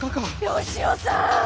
吉雄さん。